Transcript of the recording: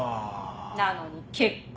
なのに結婚。